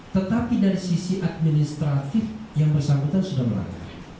tetapi dari sisi administratif yang bersangkutan sudah melanggar